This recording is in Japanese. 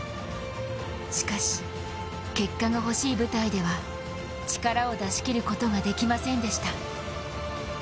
しかし、結果がほしい舞台では力を出しきることができませんでした。